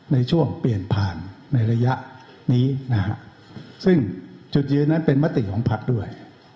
ในช่วงเปลี่ยนผ่านในระยะนี้นะฮะซึ่งจุดยืนนั้นเป็นมติของพักด้วย